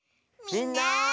みんな！